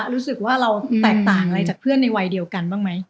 รู้สึกว่าเราแตกต่างอะไรจากเพื่อนในวัยเดียวกันบ้างไหม